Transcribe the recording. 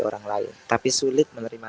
orang lain tapi sulit menerima